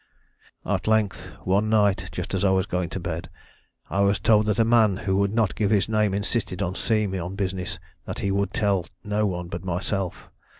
"At length one night, just as I was going to bed, I was told that a man who would not give his name insisted on seeing me on business that he would tell no one but myself.